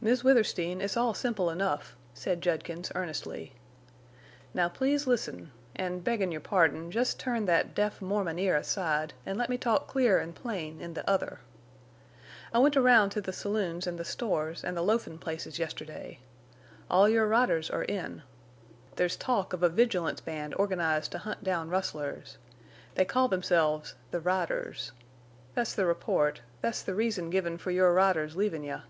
"Miss Withersteen, it's all simple enough," said Judkins, earnestly. "Now please listen—an' beggin' your pardon—jest turn thet deaf Mormon ear aside, an' let me talk clear an' plain in the other. I went around to the saloons an' the stores an' the loafin' places yesterday. All your riders are in. There's talk of a vigilance band organized to hunt down rustlers. They call themselves 'The Riders.' Thet's the report—thet's the reason given for your riders leavin' you.